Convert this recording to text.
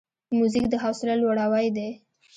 موزیک د حوصله لوړاوی دی.